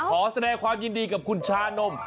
ขอแสดงความยินดีกับคุณชานม